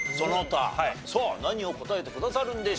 さあ何を答えてくださるんでしょうか。